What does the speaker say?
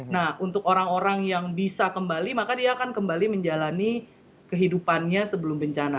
nah untuk orang orang yang bisa kembali maka dia akan kembali menjalani kehidupannya sebelum bencana